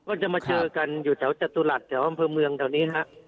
ก็จะมาเจอกันอยู่แถวจตุลัดเหลียดก็จะตามเหลวอัมเภอเมืองแถวนี้หะ